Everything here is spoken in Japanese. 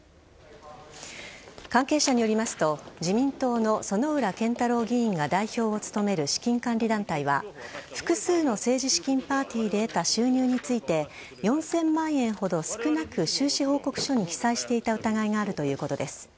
関係者によりますと自民党の薗浦健太郎議員が代表を務める資金管理団体は複数の政治資金パーティーで得た収入について４０００万円ほど少なく収支報告書に記載していた疑いがあるということです。